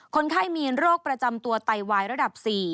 คนไข้มีโรคประจำตัวไตวายระดับ๔